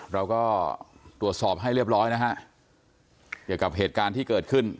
เราก็ตรวจสอบให้เรียบร้อยนะฮะเกี่ยวกับเหตุการณ์ที่เกิดขึ้น